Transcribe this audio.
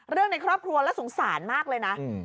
ในครอบครัวแล้วสงสารมากเลยนะ